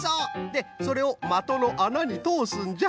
でそれをまとのあなにとおすんじゃ。